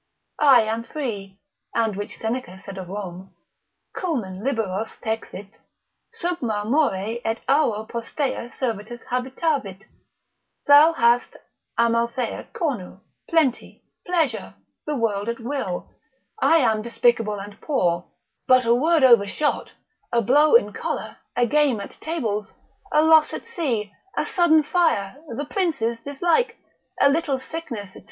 I am free, and which Seneca said of Rome, culmen liberos texit, sub marmore et auro postea servitus habitavit, thou hast Amaltheae cornu, plenty, pleasure, the world at will, I am despicable and poor; but a word overshot, a blow in choler, a game at tables, a loss at sea, a sudden fire, the prince's dislike, a little sickness, &c.